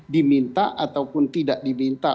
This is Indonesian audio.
diminta ataupun tidak diminta